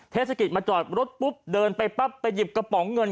เทศกิจมาจอดรถปุ๊บเดินไปปั๊บไปหยิบกระป๋องเงิน